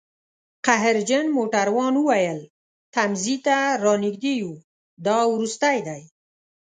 قهرجن موټروان وویل: تمځي ته رانژدي یوو، دا وروستی دی